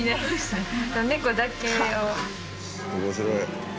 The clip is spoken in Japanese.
面白い。